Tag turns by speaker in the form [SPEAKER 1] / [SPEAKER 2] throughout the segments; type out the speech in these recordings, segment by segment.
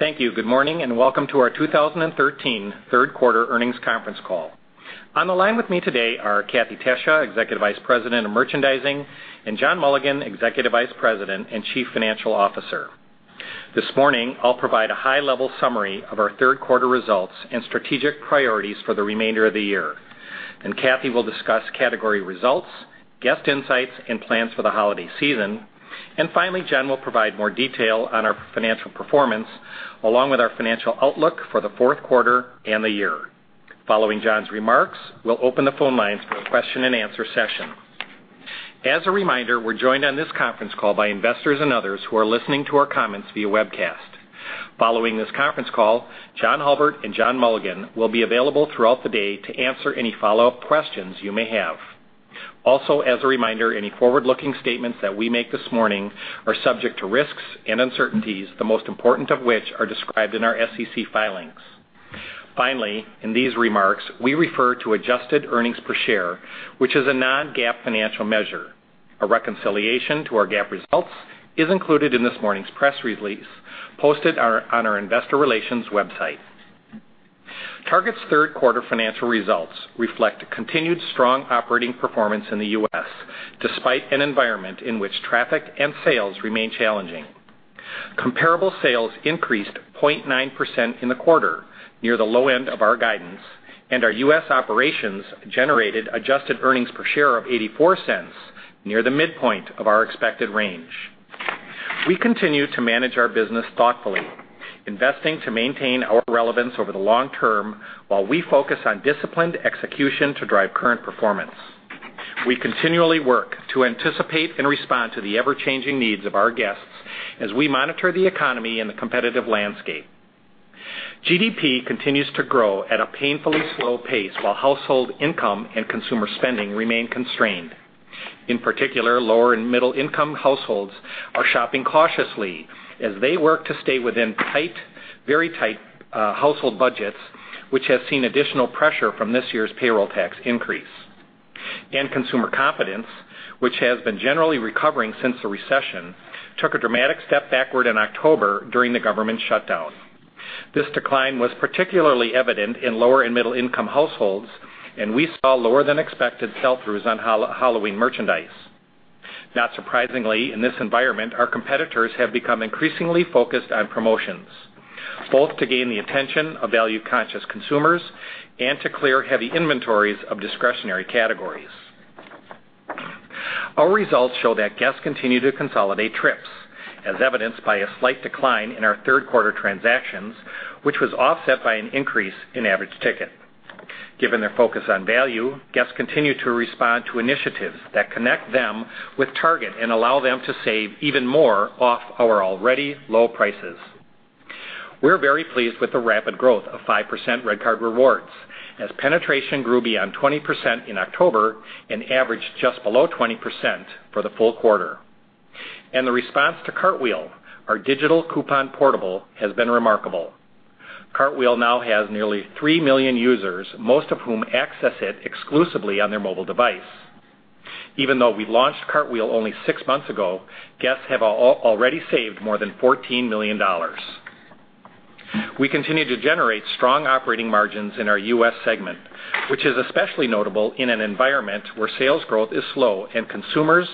[SPEAKER 1] Thank you. Good morning, and welcome to our 2013 third quarter earnings conference call. On the line with me today are Kathee Tesija, Executive Vice President of Merchandising, and John Mulligan, Executive Vice President and Chief Financial Officer. This morning, I'll provide a high-level summary of our third quarter results and strategic priorities for the remainder of the year. Kathee will discuss category results, guest insights, and plans for the holiday season. Finally, John will provide more detail on our financial performance, along with our financial outlook for the fourth quarter and the year. Following John's remarks, we'll open the phone lines for a question and answer session. As a reminder, we're joined on this conference call by investors and others who are listening to our comments via webcast. Following this conference call, John Hulbert and John Mulligan will be available throughout the day to answer any follow-up questions you may have. As a reminder, any forward-looking statements that we make this morning are subject to risks and uncertainties, the most important of which are described in our SEC filings. Finally, in these remarks, we refer to adjusted earnings per share, which is a non-GAAP financial measure. A reconciliation to our GAAP results is included in this morning's press release posted on our investor relations website. Target's third quarter financial results reflect continued strong operating performance in the U.S., despite an environment in which traffic and sales remain challenging. Comparable sales increased 0.9% in the quarter, near the low end of our guidance, and our U.S. operations generated adjusted earnings per share of $0.84, near the midpoint of our expected range. We continue to manage our business thoughtfully, investing to maintain our relevance over the long term while we focus on disciplined execution to drive current performance. We continually work to anticipate and respond to the ever-changing needs of our guests as we monitor the economy and the competitive landscape. GDP continues to grow at a painfully slow pace while household income and consumer spending remain constrained. In particular, lower and middle-income households are shopping cautiously as they work to stay within very tight household budgets, which has seen additional pressure from this year's payroll tax increase. Consumer confidence, which has been generally recovering since the recession, took a dramatic step backward in October during the government shutdown. This decline was particularly evident in lower and middle-income households, and we saw lower than expected sell-throughs on Halloween merchandise. Not surprisingly, in this environment, our competitors have become increasingly focused on promotions, both to gain the attention of value-conscious consumers and to clear heavy inventories of discretionary categories. Our results show that guests continue to consolidate trips, as evidenced by a slight decline in our third-quarter transactions, which was offset by an increase in average ticket. Given their focus on value, guests continue to respond to initiatives that connect them with Target and allow them to save even more off our already low prices. We're very pleased with the rapid growth of 5% REDcard Rewards, as penetration grew beyond 20% in October and averaged just below 20% for the full quarter. The response to Cartwheel, our digital coupon portal, has been remarkable. Cartwheel now has nearly 3 million users, most of whom access it exclusively on their mobile device. Even though we launched Cartwheel only six months ago, guests have already saved more than $14 million. We continue to generate strong operating margins in our U.S. segment, which is especially notable in an environment where sales growth is slow and consumers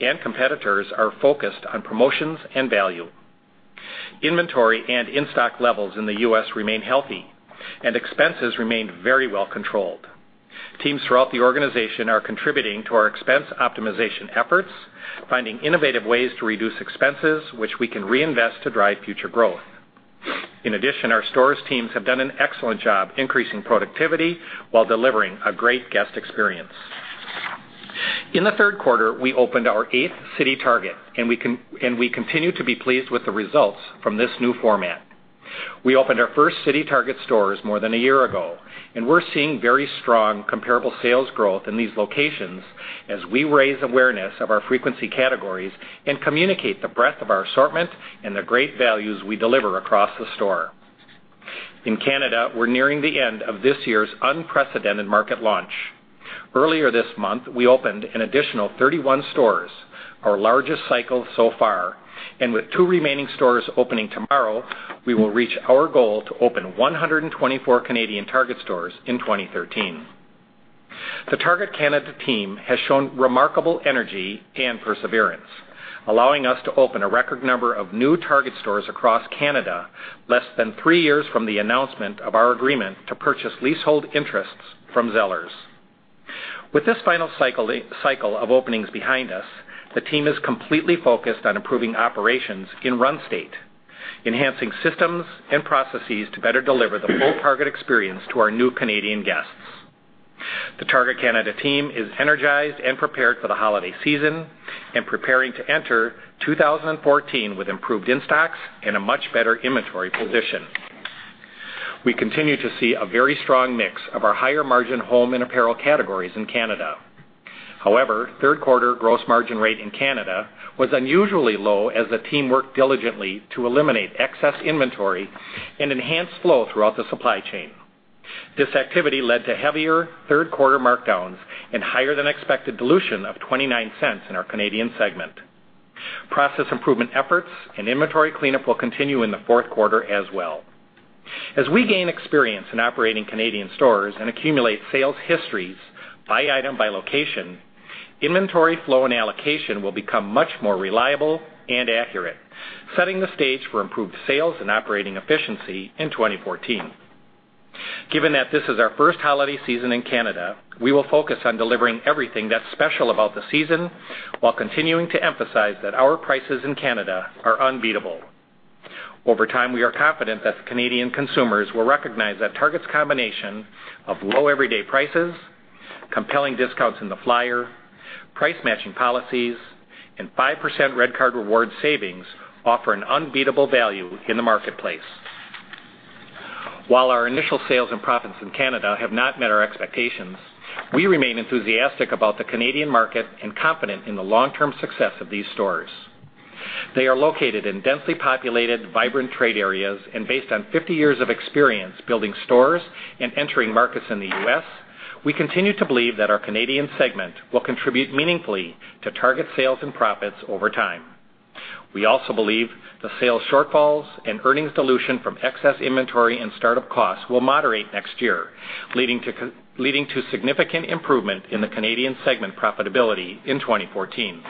[SPEAKER 1] and competitors are focused on promotions and value. Inventory and in-stock levels in the U.S. remain healthy, and expenses remain very well controlled. Teams throughout the organization are contributing to our expense optimization efforts, finding innovative ways to reduce expenses, which we can reinvest to drive future growth. In addition, our stores teams have done an excellent job increasing productivity while delivering a great guest experience. In the third quarter, we opened our eighth CityTarget, and we continue to be pleased with the results from this new format. We opened our first CityTarget stores more than a year ago, we're seeing very strong comparable sales growth in these locations as we raise awareness of our frequency categories and communicate the breadth of our assortment and the great values we deliver across the store. In Canada, we're nearing the end of this year's unprecedented market launch. Earlier this month, we opened an additional 31 stores, our largest cycle so far, with two remaining stores opening tomorrow, we will reach our goal to open 124 Canadian Target stores in 2013. The Target Canada team has shown remarkable energy and perseverance, allowing us to open a record number of new Target stores across Canada less than three years from the announcement of our agreement to purchase leasehold interests from Zellers. With this final cycle of openings behind us, the team is completely focused on improving operations in run state, enhancing systems and processes to better deliver the full Target experience to our new Canadian guests. The Target Canada team is energized and prepared for the holiday season and preparing to enter 2014 with improved in-stocks and a much better inventory position. We continue to see a very strong mix of our higher-margin home and apparel categories in Canada. However, third-quarter gross margin rate in Canada was unusually low as the team worked diligently to eliminate excess inventory and enhance flow throughout the supply chain. This activity led to heavier third-quarter markdowns and higher than expected dilution of $0.29 in our Canadian segment. Process improvement efforts and inventory cleanup will continue in the fourth quarter as well. As we gain experience in operating Canadian stores and accumulate sales histories by item, by location, inventory flow and allocation will become much more reliable and accurate, setting the stage for improved sales and operating efficiency in 2014. Given that this is our first holiday season in Canada, we will focus on delivering everything that's special about the season while continuing to emphasize that our prices in Canada are unbeatable. Over time, we are confident that Canadian consumers will recognize that Target's combination of low everyday prices, compelling discounts in the flyer, price-matching policies, and 5% REDcard reward savings offer an unbeatable value in the marketplace. While our initial sales and profits in Canada have not met our expectations, we remain enthusiastic about the Canadian market and confident in the long-term success of these stores. They are located in densely populated, vibrant trade areas. Based on 50 years of experience building stores and entering markets in the U.S., we continue to believe that our Canadian segment will contribute meaningfully to Target sales and profits over time. We also believe the sales shortfalls and earnings dilution from excess inventory and startup costs will moderate next year, leading to significant improvement in the Canadian segment profitability in 2014.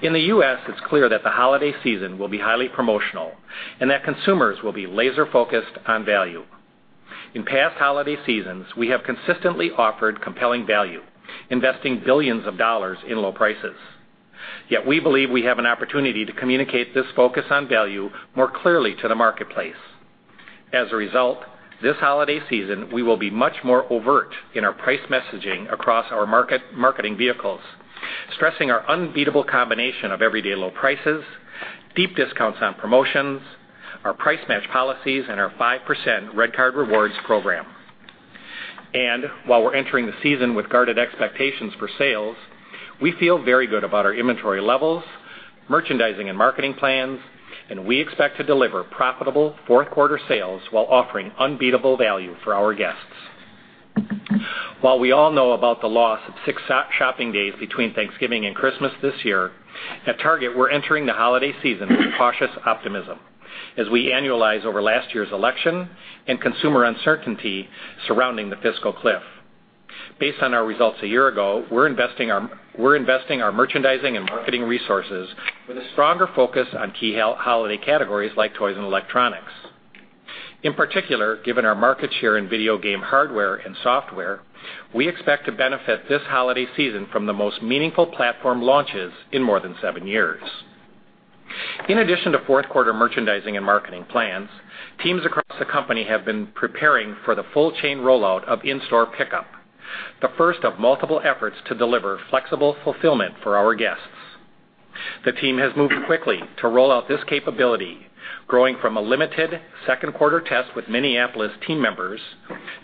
[SPEAKER 1] In the U.S., it's clear that the holiday season will be highly promotional and that consumers will be laser-focused on value. In past holiday seasons, we have consistently offered compelling value, investing billions of dollars in low prices. We believe we have an opportunity to communicate this focus on value more clearly to the marketplace. This holiday season, we will be much more overt in our price messaging across our marketing vehicles, stressing our unbeatable combination of everyday low prices, deep discounts on promotions, our price match policies, and our 5% REDcard Rewards program. While we're entering the season with guarded expectations for sales, we feel very good about our inventory levels, merchandising and marketing plans, and we expect to deliver profitable fourth-quarter sales while offering unbeatable value for our guests. While we all know about the loss of six shopping days between Thanksgiving and Christmas this year, at Target, we're entering the holiday season with cautious optimism as we annualize over last year's election and consumer uncertainty surrounding the fiscal cliff. Based on our results a year ago, we're investing our merchandising and marketing resources with a stronger focus on key holiday categories like toys and electronics. In particular, given our market share in video game hardware and software, we expect to benefit this holiday season from the most meaningful platform launches in more than seven years. In addition to fourth-quarter merchandising and marketing plans, teams across the company have been preparing for the full chain rollout of in-store pickup, the first of multiple efforts to deliver flexible fulfillment for our guests. The team has moved quickly to roll out this capability, growing from a limited second quarter test with Minneapolis team members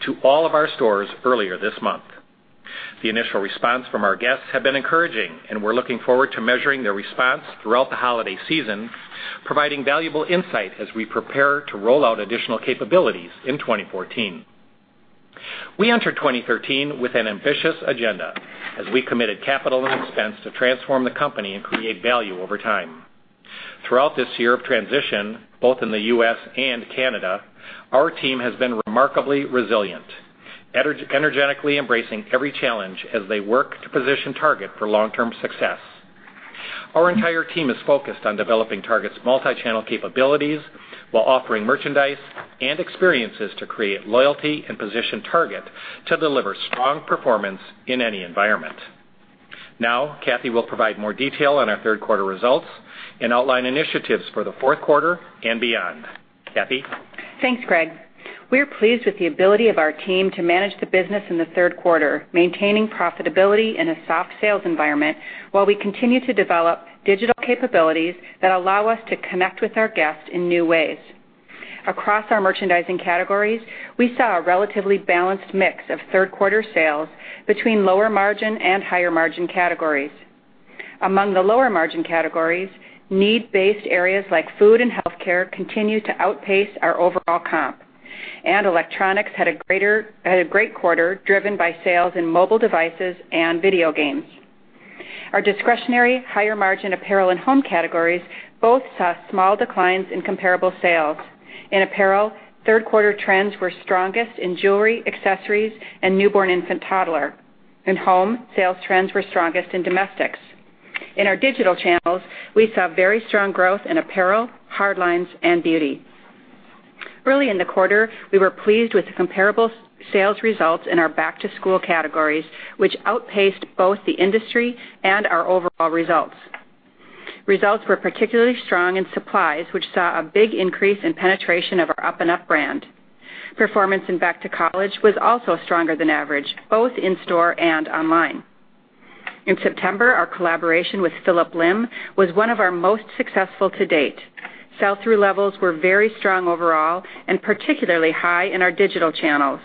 [SPEAKER 1] to all of our stores earlier this month. The initial response from our guests have been encouraging, and we're looking forward to measuring their response throughout the holiday season, providing valuable insight as we prepare to roll out additional capabilities in 2014. We enter 2013 with an ambitious agenda as we committed capital and expense to transform the company and create value over time. Throughout this year of transition, both in the U.S. and Canada, our team has been remarkably resilient, energetically embracing every challenge as they work to position Target for long-term success. Our entire team is focused on developing Target's multi-channel capabilities while offering merchandise and experiences to create loyalty and position Target to deliver strong performance in any environment. Kathee will provide more detail on our third quarter results and outline initiatives for the fourth quarter and beyond. Kathee?
[SPEAKER 2] Thanks, Gregg. We're pleased with the ability of our team to manage the business in the third quarter, maintaining profitability in a soft sales environment while we continue to develop digital capabilities that allow us to connect with our guests in new ways. Across our merchandising categories, we saw a relatively balanced mix of third-quarter sales between lower margin and higher margin categories. Among the lower margin categories, need-based areas like food and healthcare continued to outpace our overall comp, and electronics had a great quarter driven by sales in mobile devices and video games. Our discretionary higher margin apparel and home categories both saw small declines in comparable sales. In apparel, third-quarter trends were strongest in jewelry, accessories, and newborn infant toddler. In home, sales trends were strongest in domestics. In our digital channels, we saw very strong growth in apparel, hard lines, and beauty. Early in the quarter, we were pleased with the comparable sales results in our back-to-school categories, which outpaced both the industry and our overall results. Results were particularly strong in supplies, which saw a big increase in penetration of our up & up brand. Performance in Back to College was also stronger than average, both in-store and online. In September, our collaboration with Phillip Lim was one of our most successful to date. Sell-through levels were very strong overall and particularly high in our digital channels.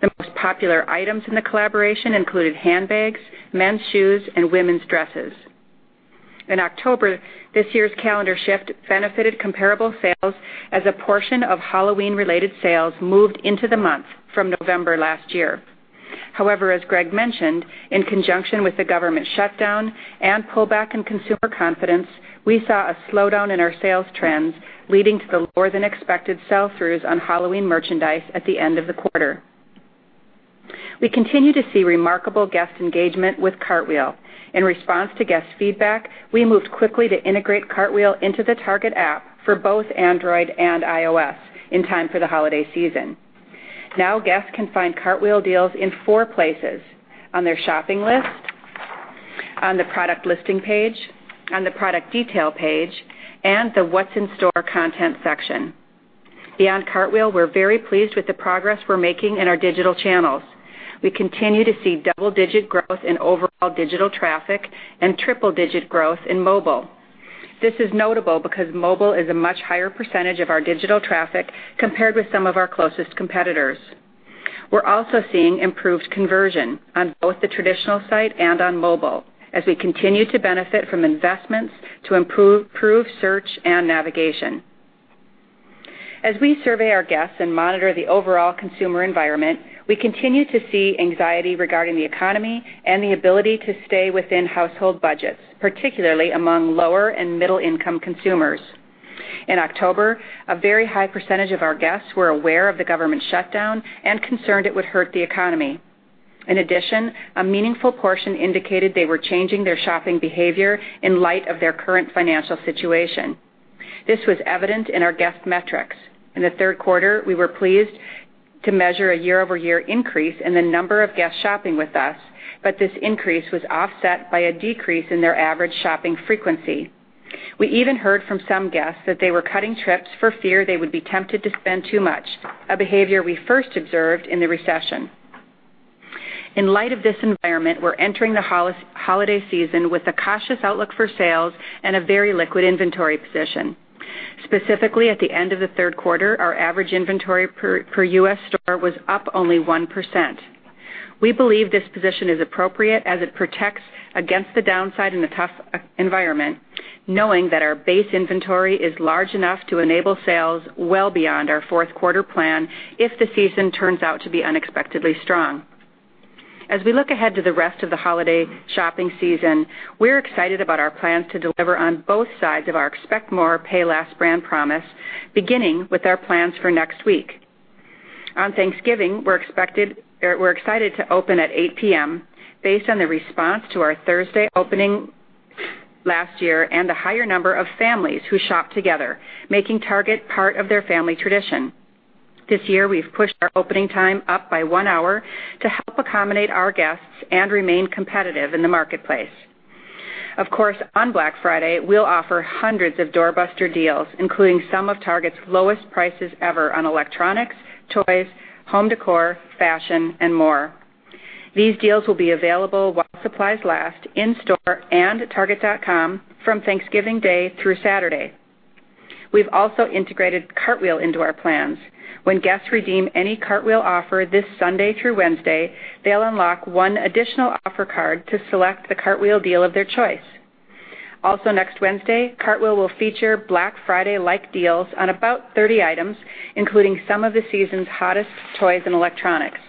[SPEAKER 2] The most popular items in the collaboration included handbags, men's shoes, and women's dresses. In October, this year's calendar shift benefited comparable sales as a portion of Halloween-related sales moved into the month from November last year. As Gregg mentioned, in conjunction with the government shutdown and pullback in consumer confidence, we saw a slowdown in our sales trends, leading to the lower-than-expected sell-throughs on Halloween merchandise at the end of the quarter. We continue to see remarkable guest engagement with Cartwheel. In response to guest feedback, we moved quickly to integrate Cartwheel into the Target app for both Android and iOS in time for the holiday season. Now, guests can find Cartwheel deals in four places: on their shopping list, on the product listing page, on the product detail page, and the What's in Store content section. Beyond Cartwheel, we're very pleased with the progress we're making in our digital channels. We continue to see double-digit growth in overall digital traffic and triple-digit growth in mobile. This is notable because mobile is a much higher % of our digital traffic compared with some of our closest competitors. We're also seeing improved conversion on both the traditional site and on mobile as we continue to benefit from investments to improve search and navigation. As we survey our guests and monitor the overall consumer environment, we continue to see anxiety regarding the economy and the ability to stay within household budgets, particularly among lower and middle-income consumers. In October, a very high % of our guests were aware of the government shutdown and concerned it would hurt the economy. In addition, a meaningful portion indicated they were changing their shopping behavior in light of their current financial situation. This was evident in our guest metrics. In the third quarter, we were pleased to measure a year-over-year increase in the number of guests shopping with us, but this increase was offset by a decrease in their average shopping frequency. We even heard from some guests that they were cutting trips for fear they would be tempted to spend too much, a behavior we first observed in the recession. In light of this environment, we're entering the holiday season with a cautious outlook for sales and a very liquid inventory position. Specifically, at the end of the third quarter, our average inventory per U.S. store was up only 1%. We believe this position is appropriate as it protects against the downside in a tough environment, knowing that our base inventory is large enough to enable sales well beyond our fourth quarter plan if the season turns out to be unexpectedly strong. As we look ahead to the rest of the holiday shopping season, we're excited about our plans to deliver on both sides of our Expect More. Pay Less. brand promise, beginning with our plans for next week. On Thanksgiving, we're excited to open at 8:00 P.M. based on the response to our Thursday opening last year and the higher number of families who shop together, making Target part of their family tradition. This year, we've pushed our opening time up by one hour to help accommodate our guests and remain competitive in the marketplace. On Black Friday, we'll offer hundreds of doorbuster deals, including some of Target's lowest prices ever on electronics, toys, home décor, fashion, and more. These deals will be available while supplies last in-store and at target.com from Thanksgiving Day through Saturday. We've also integrated Cartwheel into our plans. When guests redeem any Cartwheel offer this Sunday through Wednesday, they'll unlock one additional offer card to select the Cartwheel deal of their choice. Next Wednesday, Cartwheel will feature Black Friday-like deals on about 30 items, including some of the season's hottest toys and electronics.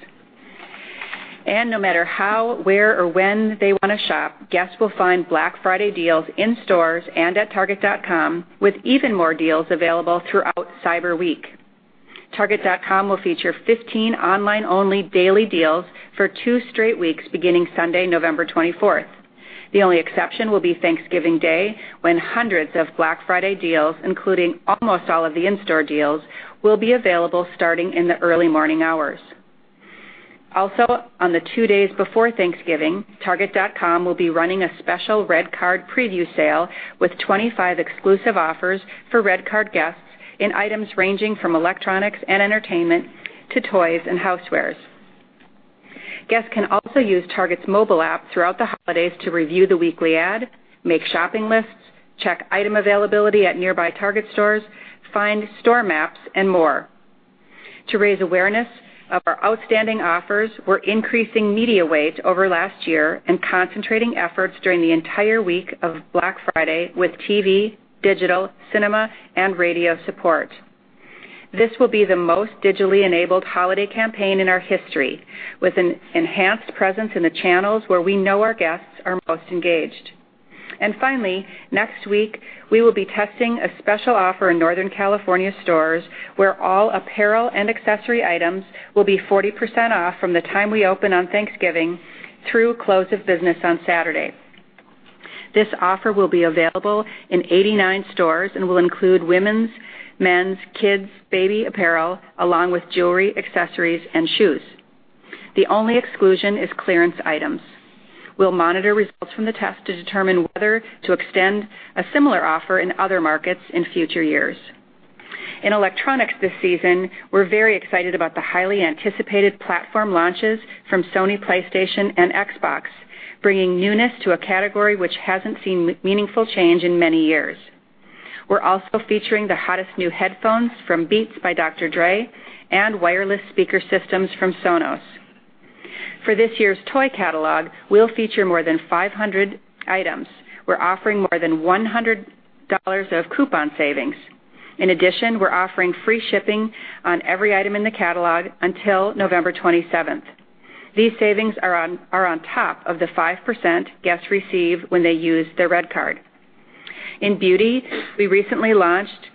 [SPEAKER 2] No matter how, where, or when they want to shop, guests will find Black Friday deals in stores and at target.com, with even more deals available throughout Cyber Week. target.com will feature 15 online-only daily deals for two straight weeks, beginning Sunday, November 24th. The only exception will be Thanksgiving Day, when hundreds of Black Friday deals, including almost all of the in-store deals, will be available starting in the early morning hours. On the two days before Thanksgiving, target.com will be running a special REDcard preview sale with 25 exclusive offers for REDcard guests in items ranging from electronics and entertainment to toys and housewares. Guests can also use Target's mobile app throughout the holidays to review the weekly ad, make shopping lists, check item availability at nearby Target stores, find store maps, and more. To raise awareness of our outstanding offers, we're increasing media weight over last year and concentrating efforts during the entire week of Black Friday with TV, digital, cinema, and radio support. This will be the most digitally enabled holiday campaign in our history, with an enhanced presence in the channels where we know our guests are most engaged. Finally, next week, we will be testing a special offer in Northern California stores where all apparel and accessory items will be 40% off from the time we open on Thanksgiving through close of business on Saturday. This offer will be available in 89 stores and will include women's, men's, kids' baby apparel, along with jewelry, accessories, and shoes. The only exclusion is clearance items. We'll monitor results from the test to determine whether to extend a similar offer in other markets in future years. In electronics this season, we're very excited about the highly anticipated platform launches from Sony PlayStation and Xbox, bringing newness to a category which hasn't seen meaningful change in many years. We're also featuring the hottest new headphones from Beats by Dr. Dre and wireless speaker systems from Sonos. For this year's toy catalog, we'll feature more than 500 items. We're offering more than $100 of coupon savings. In addition, we're offering free shipping on every item in the catalog until November 27th. These savings are on top of the 5% guests receive when they use their REDcard. In beauty, we recently launched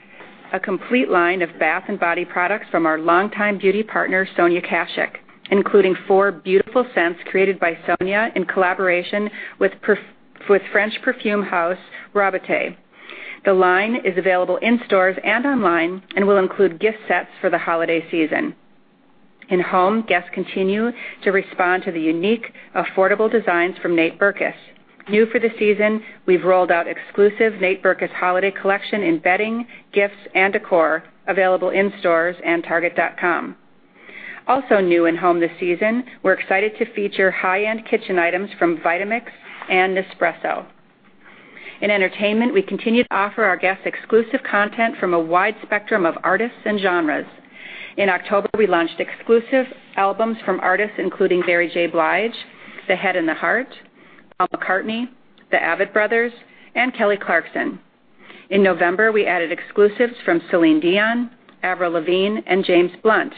[SPEAKER 2] a complete line of bath and body products from our longtime beauty partner, Sonia Kashuk, including four beautiful scents created by Sonia in collaboration with French perfume house, Robertet. The line is available in stores and online and will include gift sets for the holiday season. In home, guests continue to respond to the unique, affordable designs from Nate Berkus. New for the season, we've rolled out exclusive Nate Berkus holiday collection in bedding, gifts, and decor, available in stores and target.com. Also new in home this season, we're excited to feature high-end kitchen items from Vitamix and Nespresso. In entertainment, we continue to offer our guests exclusive content from a wide spectrum of artists and genres. In October, we launched exclusive albums from artists including Mary J. Blige, The Head and the Heart, Paul McCartney, The Avett Brothers, and Kelly Clarkson. In November, we added exclusives from Celine Dion, Avril Lavigne, and James Blunt.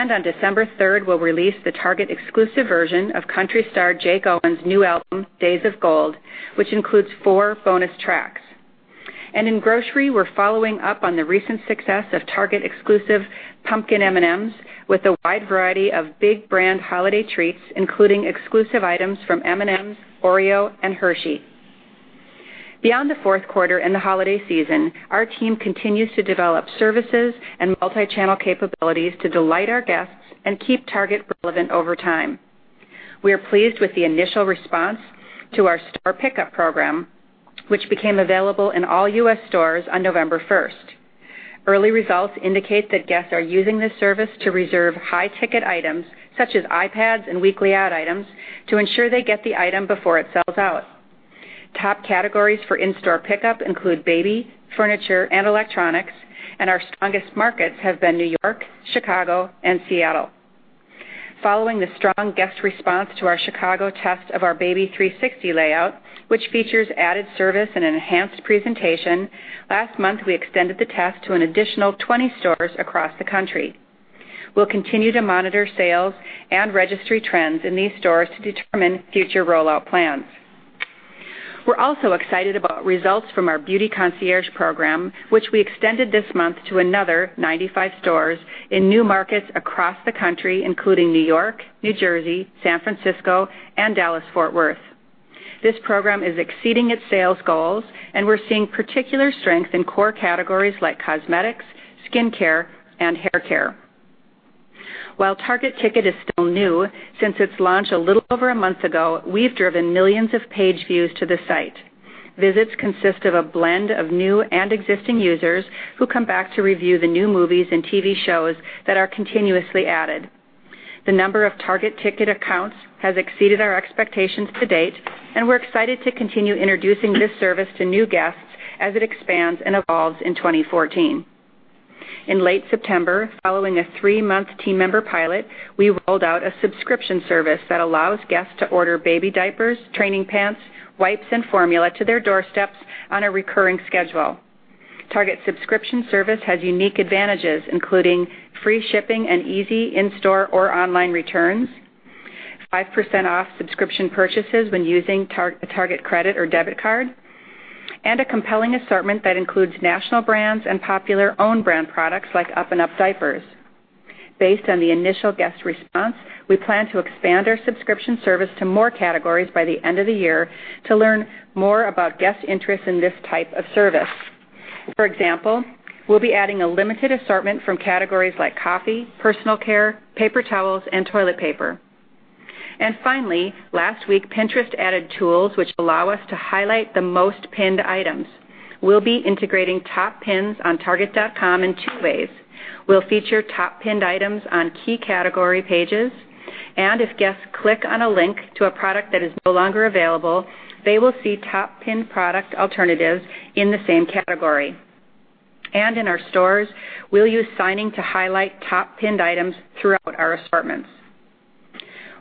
[SPEAKER 2] On December 3rd, we'll release the Target-exclusive version of country star Jake Owen's new album, "Days of Gold," which includes four bonus tracks. In grocery, we're following up on the recent success of Target exclusive Pumpkin Spice M&M's with a wide variety of big brand holiday treats, including exclusive items from M&M's, Oreo, and Hershey. Beyond the fourth quarter and the holiday season, our team continues to develop services and multi-channel capabilities to delight our guests and keep Target relevant over time. We are pleased with the initial response to our store pickup program, which became available in all U.S. stores on November 1st. Early results indicate that guests are using this service to reserve high-ticket items, such as iPads and weekly ad items, to ensure they get the item before it sells out. Top categories for in-store pickup include baby, furniture, and electronics, and our strongest markets have been New York, Chicago, and Seattle. Following the strong guest response to our Chicago test of our Baby 360 layout, which features added service and enhanced presentation, last month, we extended the test to an additional 20 stores across the country. We'll continue to monitor sales and registry trends in these stores to determine future rollout plans. We're also excited about results from our beauty concierge program, which we extended this month to another 95 stores in new markets across the country, including New York, New Jersey, San Francisco, and Dallas-Fort Worth. This program is exceeding its sales goals, and we're seeing particular strength in core categories like cosmetics, skincare, and haircare. While Target Ticket is still new, since its launch a little over a month ago, we've driven millions of page views to the site. Visits consist of a blend of new and existing users who come back to review the new movies and TV shows that are continuously added. The number of Target Ticket accounts has exceeded our expectations to date, and we're excited to continue introducing this service to new guests as it expands and evolves in 2014. In late September, following a three-month team member pilot, we rolled out a subscription service that allows guests to order baby diapers, training pants, wipes, and formula to their doorsteps on a recurring schedule. Target subscription service has unique advantages, including free shipping and easy in-store or online returns, 5% off subscription purchases when using a Target credit or debit card, and a compelling assortment that includes national brands and popular own brand products like Up&Up diapers. Based on the initial guest response, we plan to expand our subscription service to more categories by the end of the year to learn more about guest interest in this type of service. For example, we'll be adding a limited assortment from categories like coffee, personal care, paper towels, and toilet paper. Finally, last week, Pinterest added tools which allow us to highlight the most pinned items. We'll be integrating top pins on target.com in two ways. We'll feature top pinned items on key category pages, and if guests click on a link to a product that is no longer available, they will see top pinned product alternatives in the same category. In our stores, we'll use signing to highlight top pinned items throughout our assortments.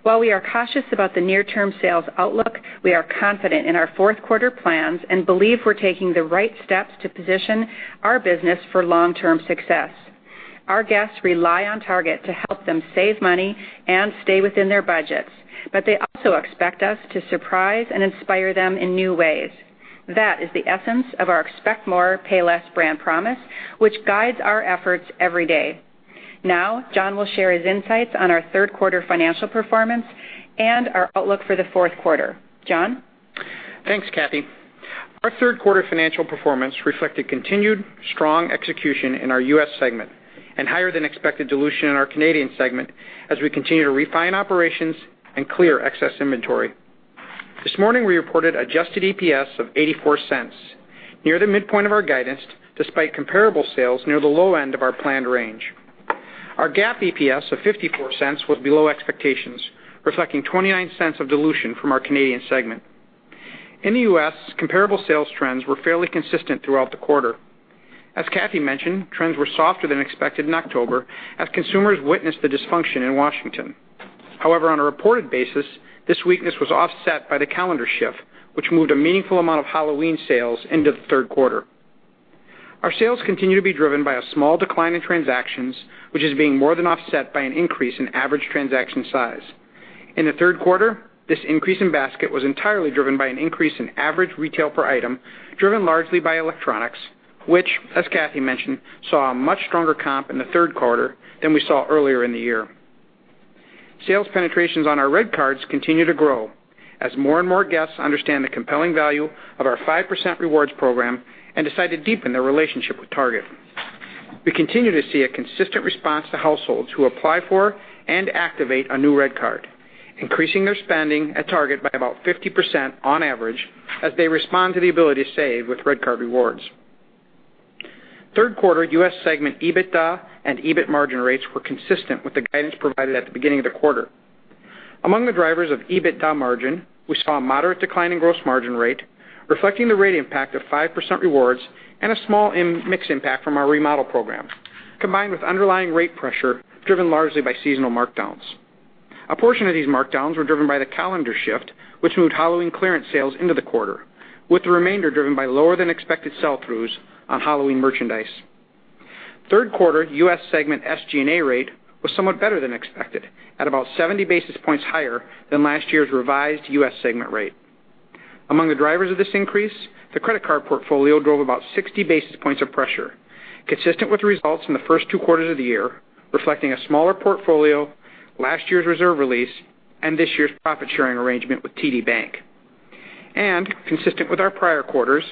[SPEAKER 2] While we are cautious about the near-term sales outlook, we are confident in our fourth quarter plans and believe we're taking the right steps to position our business for long-term success. Our guests rely on Target to help them save money and stay within their budgets, but they also expect us to surprise and inspire them in new ways. That is the essence of our Expect More, Pay Less brand promise, which guides our efforts every day. Now, John will share his insights on our third quarter financial performance and our outlook for the fourth quarter. John?
[SPEAKER 3] Thanks, Kathee. Our third quarter financial performance reflected continued strong execution in our U.S. segment and higher than expected dilution in our Canadian segment as we continue to refine operations and clear excess inventory. This morning, we reported adjusted EPS of $0.84, near the midpoint of our guidance, despite comparable sales near the low end of our planned range. Our GAAP EPS of $0.54 was below expectations, reflecting $0.29 of dilution from our Canadian segment. In the U.S., comparable sales trends were fairly consistent throughout the quarter. As Kathee mentioned, trends were softer than expected in October as consumers witnessed the dysfunction in Washington. However, on a reported basis, this weakness was offset by the calendar shift, which moved a meaningful amount of Halloween sales into the third quarter. Our sales continue to be driven by a small decline in transactions, which is being more than offset by an increase in average transaction size. In the third quarter, this increase in basket was entirely driven by an increase in average retail per item, driven largely by electronics, which, as Kathee mentioned, saw a much stronger comp in the third quarter than we saw earlier in the year. Sales penetrations on our REDcards continue to grow as more and more guests understand the compelling value of our 5% Rewards program and decide to deepen their relationship with Target. We continue to see a consistent response to households who apply for and activate a new REDcard, increasing their spending at Target by about 50% on average as they respond to the ability to save with REDcard Rewards. Third quarter U.S. segment EBITDA and EBIT margin rates were consistent with the guidance provided at the beginning of the quarter. Among the drivers of EBITDA margin, we saw a moderate decline in gross margin rate, reflecting the rate impact of 5% Rewards and a small mix impact from our remodel program, combined with underlying rate pressure, driven largely by seasonal markdowns. A portion of these markdowns were driven by the calendar shift, which moved Halloween clearance sales into the quarter, with the remainder driven by lower than expected sell-throughs on Halloween merchandise. Third quarter U.S. segment SG&A rate was somewhat better than expected, at about 70 basis points higher than last year's revised U.S. segment rate. Consistent with our prior quarters,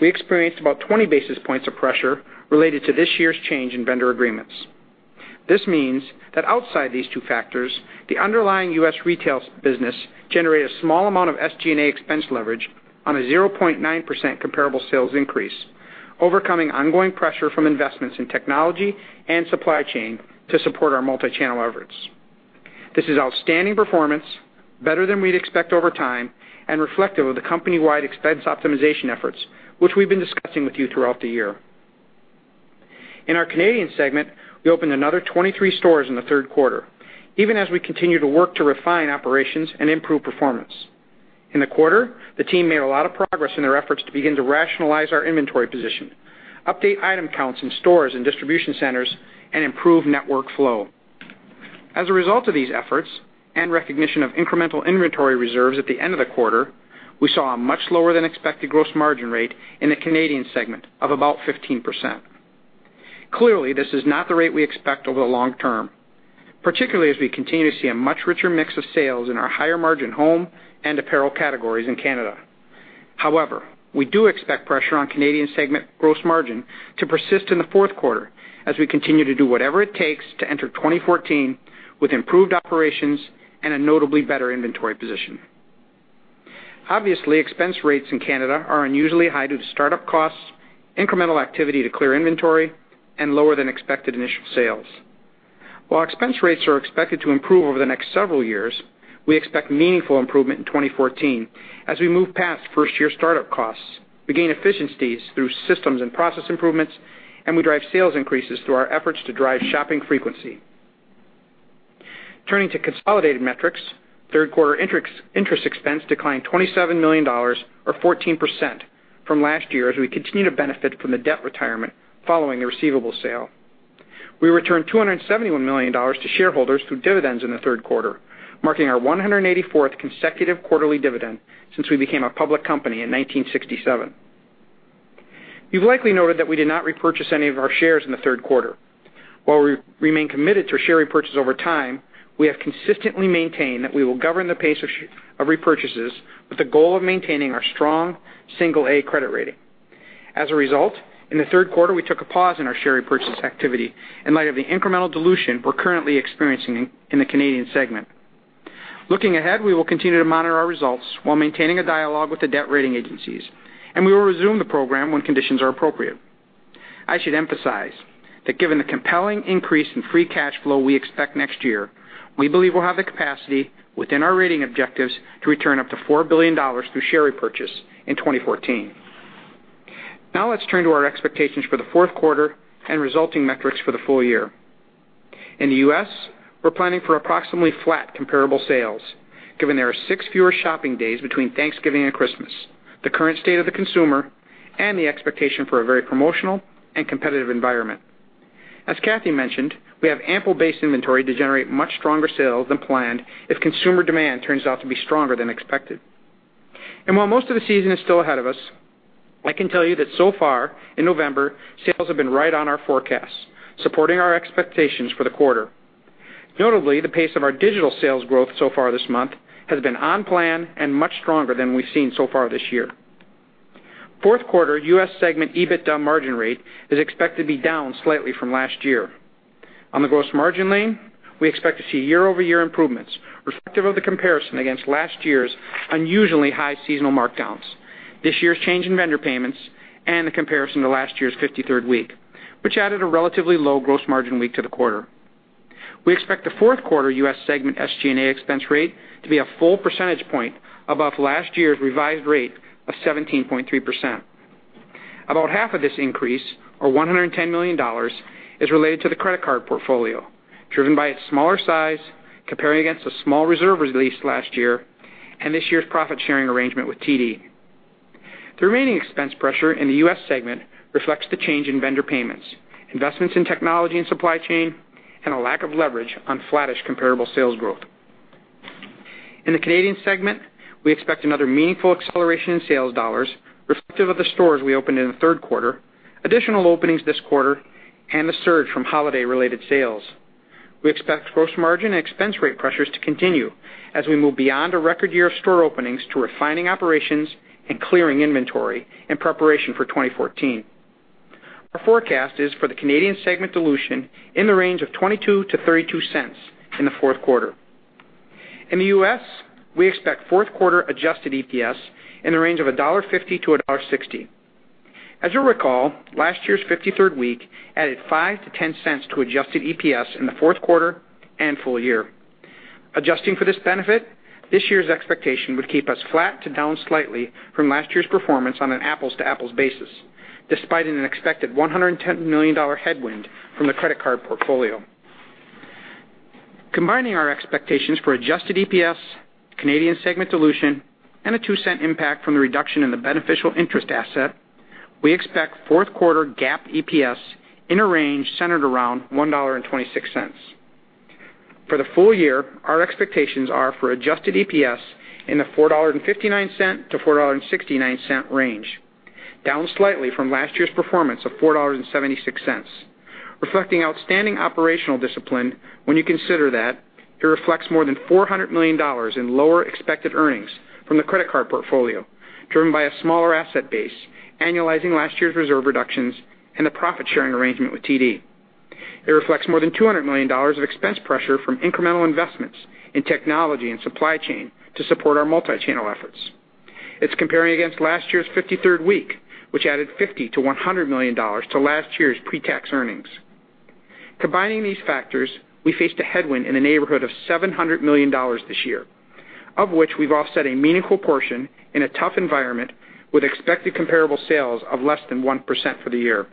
[SPEAKER 3] we experienced about 20 basis points of pressure related to this year's change in vendor agreements. Among the drivers of this increase, the credit card portfolio drove about 60 basis points of pressure, consistent with results in the first two quarters of the year, reflecting a smaller portfolio, last year's reserve release, and this year's profit-sharing arrangement with TD Bank. This means that outside these two factors, the underlying U.S. retail business generated a small amount of SG&A expense leverage on a 0.9% comparable sales increase, overcoming ongoing pressure from investments in technology and supply chain to support our multi-channel efforts. This is outstanding performance, better than we'd expect over time, and reflective of the company-wide expense optimization efforts, which we've been discussing with you throughout the year. In our Canadian segment, we opened another 23 stores in the third quarter, even as we continue to work to refine operations and improve performance. In the quarter, the team made a lot of progress in their efforts to begin to rationalize our inventory position, update item counts in stores and distribution centers, and improve network flow. As a result of these efforts and recognition of incremental inventory reserves at the end of the quarter, we saw a much lower than expected gross margin rate in the Canadian segment of about 15%. Clearly, this is not the rate we expect over the long term, particularly as we continue to see a much richer mix of sales in our higher-margin home and apparel categories in Canada. However, we do expect pressure on Canadian segment gross margin to persist in the fourth quarter as we continue to do whatever it takes to enter 2014 with improved operations and a notably better inventory position. Obviously, expense rates in Canada are unusually high due to startup costs, incremental activity to clear inventory, and lower than expected initial sales. While expense rates are expected to improve over the next several years, we expect meaningful improvement in 2014 as we move past first-year startup costs. We gain efficiencies through systems and process improvements, and we drive sales increases through our efforts to drive shopping frequency. Turning to consolidated metrics, third quarter interest expense declined $27 million, or 14%, from last year as we continue to benefit from the debt retirement following the receivable sale. We returned $271 million to shareholders through dividends in the third quarter, marking our 184th consecutive quarterly dividend since we became a public company in 1967. You've likely noted that we did not repurchase any of our shares in the third quarter. While we remain committed to share repurchase over time, we have consistently maintained that we will govern the pace of repurchases with the goal of maintaining our strong, single A credit rating. As a result, in the third quarter, we took a pause in our share repurchase activity in light of the incremental dilution we're currently experiencing in the Canadian segment. Looking ahead, we will continue to monitor our results while maintaining a dialogue with the debt rating agencies, and we will resume the program when conditions are appropriate. I should emphasize that given the compelling increase in free cash flow we expect next year, we believe we'll have the capacity within our rating objectives to return up to $4 billion through share repurchase in 2014. Let's turn to our expectations for the fourth quarter and resulting metrics for the full year. In the U.S., we're planning for approximately flat comparable sales, given there are six fewer shopping days between Thanksgiving and Christmas, the current state of the consumer, and the expectation for a very promotional and competitive environment. As Kathee mentioned, we have ample base inventory to generate much stronger sales than planned if consumer demand turns out to be stronger than expected. While most of the season is still ahead of us, I can tell you that so far in November, sales have been right on our forecasts, supporting our expectations for the quarter. Notably, the pace of our digital sales growth so far this month has been on plan and much stronger than we've seen so far this year. Fourth quarter U.S. segment EBITDA margin rate is expected to be down slightly from last year. On the gross margin line, we expect to see year-over-year improvements reflective of the comparison against last year's unusually high seasonal markdowns, this year's change in vendor payments, and the comparison to last year's 53rd week, which added a relatively low gross margin week to the quarter. We expect the fourth quarter U.S. segment SG&A expense rate to be a full percentage point above last year's revised rate of 17.3%. About half of this increase, or $110 million, is related to the credit card portfolio, driven by its smaller size comparing against the small reserve release last year and this year's profit-sharing arrangement with TD. The remaining expense pressure in the U.S. segment reflects the change in vendor payments, investments in technology and supply chain, and a lack of leverage on flattish comparable sales growth. In the Canadian segment, we expect another meaningful acceleration in sales dollars reflective of the stores we opened in the third quarter, additional openings this quarter, and a surge from holiday-related sales. We expect gross margin and expense rate pressures to continue as we move beyond a record year of store openings to refining operations and clearing inventory in preparation for 2014. Our forecast is for the Canadian segment dilution in the range of $0.22-$0.32 in the fourth quarter. In the U.S., we expect fourth quarter adjusted EPS in the range of $1.50-$1.60. As you'll recall, last year's 53rd week added $0.05-$0.10 to adjusted EPS in the fourth quarter and full year. Adjusting for this benefit, this year's expectation would keep us flat to down slightly from last year's performance on an apples-to-apples basis, despite an expected $110 million headwind from the credit card portfolio. Combining our expectations for adjusted EPS, Canadian segment dilution, and a $0.02 impact from the reduction in the beneficial interest asset, we expect fourth quarter GAAP EPS in a range centered around $1.26. For the full year, our expectations are for adjusted EPS in the $4.59-$4.69 range, down slightly from last year's performance of $4.76. Reflecting outstanding operational discipline when you consider that it reflects more than $400 million in lower expected earnings from the credit card portfolio, driven by a smaller asset base annualizing last year's reserve reductions and the profit-sharing arrangement with TD. It reflects more than $200 million of expense pressure from incremental investments in technology and supply chain to support our multi-channel efforts. It's comparing against last year's 53rd week, which added $50 million-$100 million to last year's pre-tax earnings. Combining these factors, we faced a headwind in the neighborhood of $700 million this year, of which we've offset a meaningful portion in a tough environment with expected comparable sales of less than 1% for the year.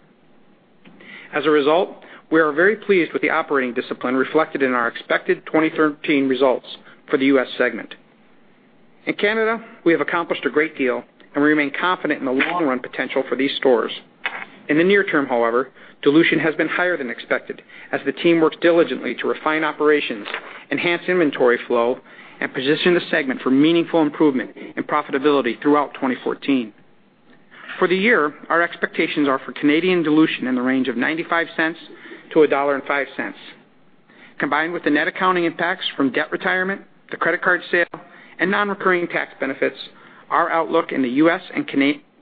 [SPEAKER 3] As a result, we are very pleased with the operating discipline reflected in our expected 2013 results for the U.S. segment. In Canada, we have accomplished a great deal, and we remain confident in the long-run potential for these stores. In the near term, however, dilution has been higher than expected as the team works diligently to refine operations, enhance inventory flow, and position the segment for meaningful improvement in profitability throughout 2014. For the year, our expectations are for Canadian dilution in the range of $0.95-$1.05. Combined with the net accounting impacts from debt retirement, the credit card sale, and non-recurring tax benefits, our outlook in the U.S. and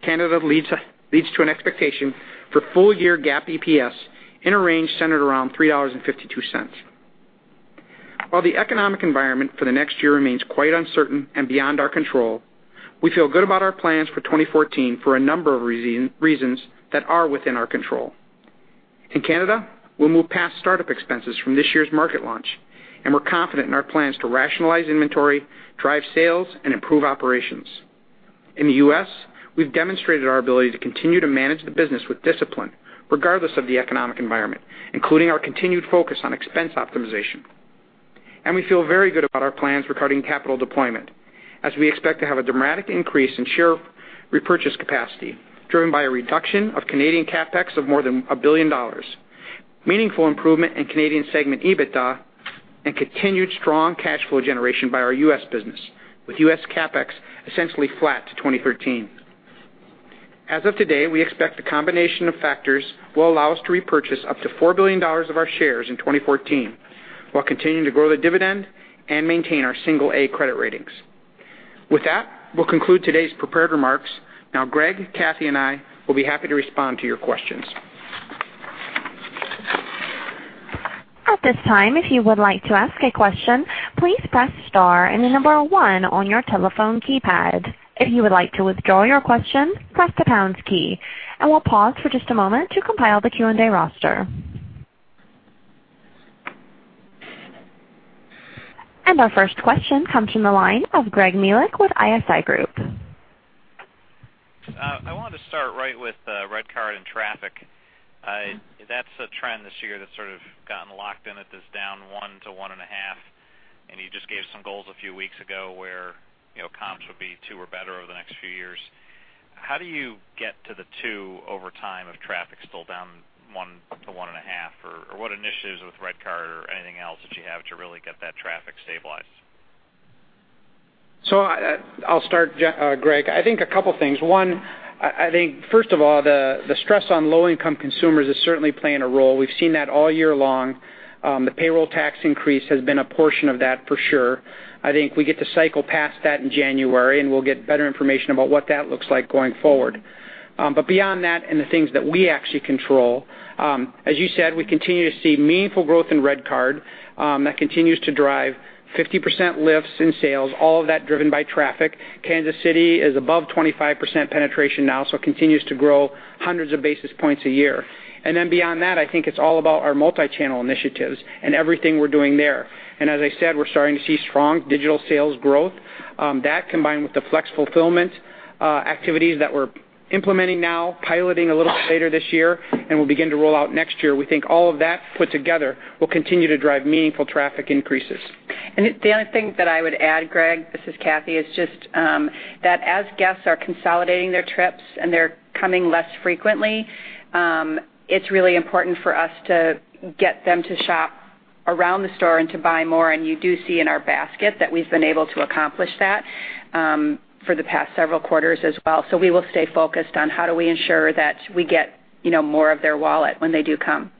[SPEAKER 3] Canada leads to an expectation for full-year GAAP EPS in a range centered around $3.52. While the economic environment for the next year remains quite uncertain and beyond our control, we feel good about our plans for 2014 for a number of reasons that are within our control. In Canada, we'll move past startup expenses from this year's market launch, and we're confident in our plans to rationalize inventory, drive sales, and improve operations. In the U.S., we've demonstrated our ability to continue to manage the business with discipline regardless of the economic environment, including our continued focus on expense optimization. We feel very good about our plans regarding capital deployment as we expect to have a dramatic increase in share repurchase capacity driven by a reduction of Canadian CapEx of more than $1 billion, meaningful improvement in Canadian segment EBITDA, and continued strong cash flow generation by our U.S. business with U.S. CapEx essentially flat to 2013. As of today, we expect the combination of factors will allow us to repurchase up to $4 billion of our shares in 2014 while continuing to grow the dividend and maintain our single A credit ratings. With that, we'll conclude today's prepared remarks. Now, Gregg, Kathee, and I will be happy to respond to your questions.
[SPEAKER 4] At this time, if you would like to ask a question, please press star 1 on your telephone keypad. If you would like to withdraw your question, press the pound key. We'll pause for just a moment to compile the Q&A roster. Our first question comes from the line of Gregory Melich with ISI Group.
[SPEAKER 5] I wanted to start right with REDcard and traffic. That's a trend this year that's sort of gotten locked in at this down 1%-1.5%, and you just gave some goals a few weeks ago where comps would be 2% or better over the next few years. How do you get to the 2% over time if traffic's still down 1%-1.5%? Or what initiatives with REDcard or anything else that you have to really get that traffic stabilized?
[SPEAKER 3] I'll start, Greg. I think a couple of things. One, I think first of all, the stress on low-income consumers is certainly playing a role. We've seen that all year long. The payroll tax increase has been a portion of that for sure. I think we get to cycle past that in January. We'll get better information about what that looks like going forward. Beyond that and the things that we actually control, as you said, we continue to see meaningful growth in REDcard. That continues to drive 50% lifts in sales, all of that driven by traffic. Kansas City is above 25% penetration now, so it continues to grow hundreds of basis points a year. Beyond that, I think it's all about our multi-channel initiatives and everything we're doing there. As I said, we're starting to see strong digital sales growth. That combined with the flex fulfillment activities that we're implementing now, piloting a little later this year, we'll begin to roll out next year. We think all of that put together will continue to drive meaningful traffic increases.
[SPEAKER 2] The only thing that I would add, Greg, this is Kathee, is just that as guests are consolidating their trips and they're coming less frequently, it's really important for us to get them to shop around the store and to buy more. You do see in our basket that we've been able to accomplish that for the past several quarters as well. We will stay focused on how do we ensure that we get more of their wallet when they do come.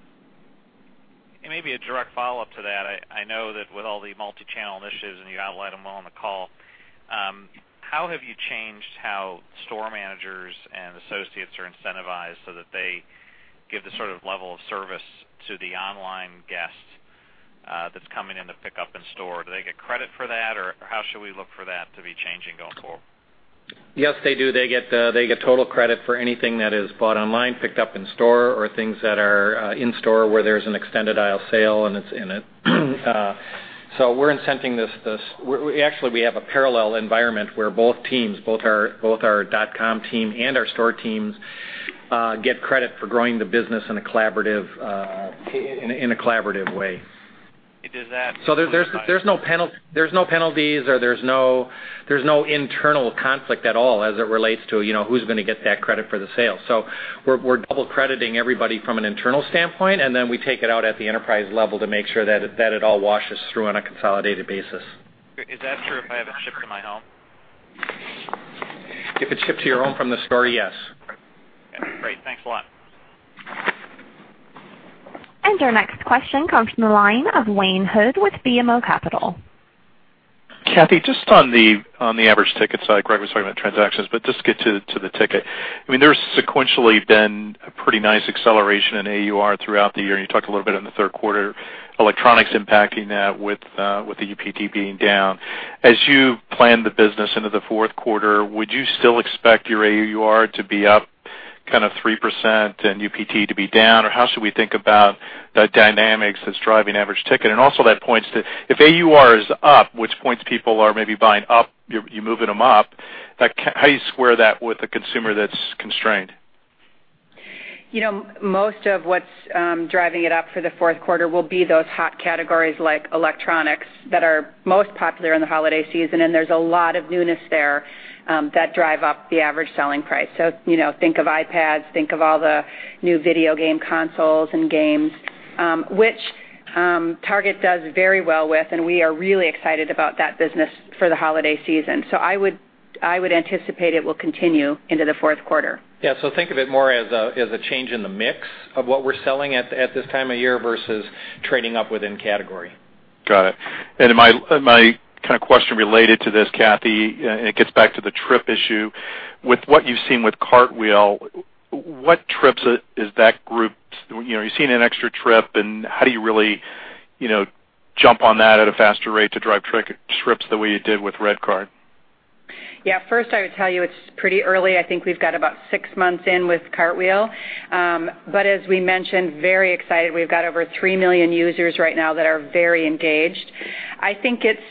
[SPEAKER 5] Maybe a direct follow-up to that. I know that with all the multi-channel initiatives. You outlined them all on the call, how have you changed how store managers and associates are incentivized so that they give the sort of level of service to the online guest that's coming in to pick up in store? Do they get credit for that, or how should we look for that to be changing going forward?
[SPEAKER 1] Yes, they do. They get total credit for anything that is bought online, picked up in store, or things that are in store where there's an extended aisle sale and it's in it. We're incenting this. Actually, we have a parallel environment where both teams, both our dot-com team and our store teams, get credit for growing the business in a collaborative way.
[SPEAKER 5] Does that-
[SPEAKER 1] There's no penalties, or there's no internal conflict at all as it relates to who's going to get that credit for the sale. We're double-crediting everybody from an internal standpoint, and then we take it out at the enterprise level to make sure that it all washes through on a consolidated basis.
[SPEAKER 5] Is that true if I have it shipped to my home?
[SPEAKER 1] If it's shipped to your home from the store, yes.
[SPEAKER 5] Great. Thanks a lot.
[SPEAKER 4] Our next question comes from the line of Wayne Hood with BMO Capital.
[SPEAKER 6] Kathee, just on the average ticket side, Gregory was talking about transactions, but just get to the ticket. There's sequentially been a pretty nice acceleration in AUR throughout the year, and you talked a little bit in the third quarter, electronics impacting that with the UPT being down. As you plan the business into the fourth quarter, would you still expect your AUR to be up 3% and UPT to be down, or how should we think about the dynamics that's driving average ticket? Also that points to if AUR is up, which points people are maybe buying up, you're moving them up, how do you square that with a consumer that's constrained?
[SPEAKER 2] Most of what's driving it up for the fourth quarter will be those hot categories like electronics that are most popular in the holiday season, and there's a lot of newness there that drive up the average selling price. Think of iPads, think of all the new video game consoles and games, which Target does very well with, and we are really excited about that business for the holiday season. I would anticipate it will continue into the fourth quarter.
[SPEAKER 1] Yeah. Think of it more as a change in the mix of what we're selling at this time of year versus trading up within category.
[SPEAKER 6] Got it. My question related to this, Kathee Tesija, it gets back to the trip issue. With what you've seen with Cartwheel, are you seeing an extra trip, how do you really jump on that at a faster rate to drive trips the way you did with REDcard?
[SPEAKER 2] Yeah. First, I would tell you it's pretty early. I think we've got about six months in with Cartwheel. As we mentioned, very excited. We've got over 3 million users right now that are very engaged. I think it's